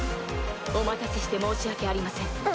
お待たせして申し訳ありません。